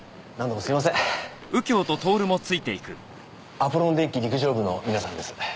アポロン電機陸上部の皆さんです。